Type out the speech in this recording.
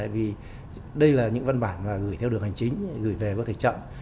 vì đây là những văn bản mà gửi theo đường hành chính gửi về có thể chậm